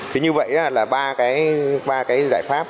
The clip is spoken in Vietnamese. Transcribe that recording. thì như vậy là ba cái giải pháp